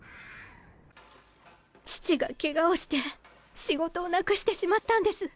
父がケガをして仕事をなくしてしまったんです。